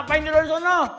apa yang tidur disana